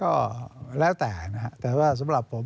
ก็แล้วแต่นะฮะแต่ว่าสำหรับผม